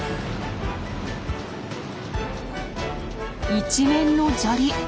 一面の砂利。